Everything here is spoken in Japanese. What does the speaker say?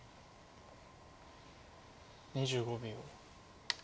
２５秒。